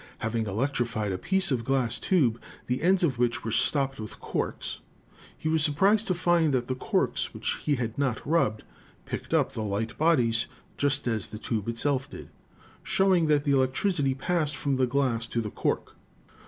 Having electrified a piece of glass tube, the ends of which were stopped with corks, he was surprised to find that the corks, which he had not rubbed, picked up light bodies just as the tube itself did, showing that the electricity passed from the glass to the cork.